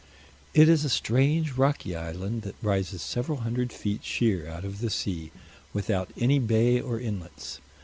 It is a strange rocky island that rises several hundred feet sheer out of the sea, without any bay or inlets.